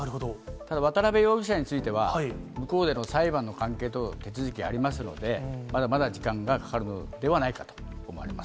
ただ、渡辺容疑者については、向こうでの裁判の関係と手続きがありますので、まだまだ時間がかかるのではないかと思われます。